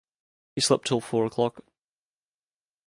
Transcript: He slept till four o’clock.